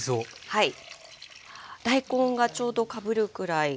はい。